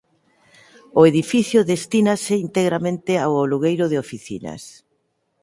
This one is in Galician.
O edificio destínase integramente ao alugueiro de oficinas.